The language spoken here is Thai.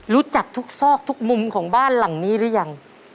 รู้จักทุกซอกทุกมุมของบ้านหลังนี้หรือยัง